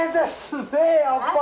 やっぱり」